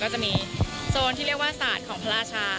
ก็จะมีโซนที่เรียกว่าซาดของพระราชา